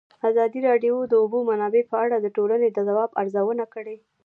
ازادي راډیو د د اوبو منابع په اړه د ټولنې د ځواب ارزونه کړې.